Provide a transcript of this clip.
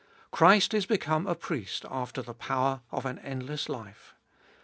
Christ is become a Priest after the power of an endless life.